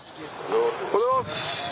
おはようございます。